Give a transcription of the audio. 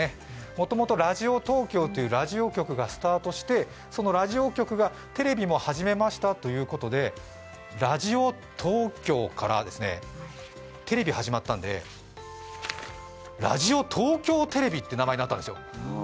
もともとラジオ東京というラジオ局がスタートしてそのラジオ局がテレビも始めましたということでラジオ東京からテレビ始まったんでラジオ東京テレビって名前になったんですよ。